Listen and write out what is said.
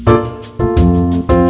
anh luận đi